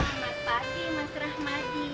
selamat pagi mas rahmadi